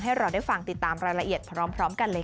ให้เราได้ฟังติดตามรายละเอียดพร้อมกันเลยค่ะ